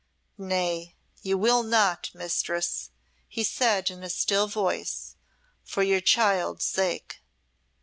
"Nay, you will not, Mistress," he said, in a still voice, "for your child's sake."